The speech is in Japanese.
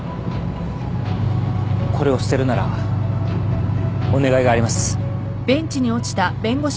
これを捨てるならお願いがあります。